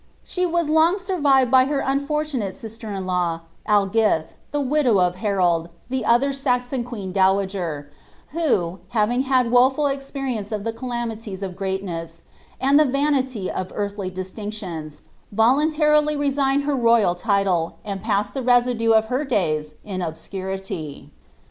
She was long survived by her ^nfo^ tunate sister in law, Algilh, the widow of Harold, llie other Saxon queeu dowager, who, having had woful experience of the calamities of great ness, and the vanity of eanhly disiinciions, voluntarily resigned her royal title, and passed the residue of her days in obscurity.